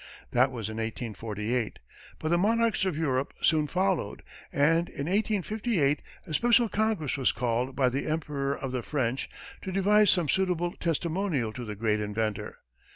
That was in 1848; but the monarchs of Europe soon followed, and in 1858, a special congress was called by the Emperor of the French to devise some suitable testimonial to the great inventor.